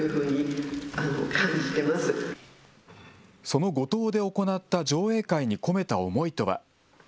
その五島で行った上映会に込めた思いとは。